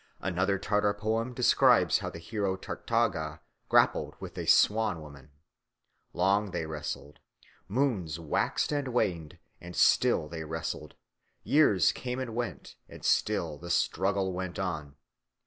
Another Tartar poem describes how the hero Kartaga grappled with the Swan woman. Long they wrestled. Moons waxed and waned and still they wrestled; years came and went, and still the struggle went on.